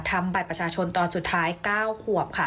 ทำบัตรประชาชนตอนสุดท้าย๙ขวบค่ะ